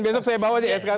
besok saya bawa di sks